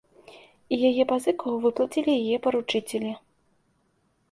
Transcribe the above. І яе пазыку выплацілі яе паручыцелі.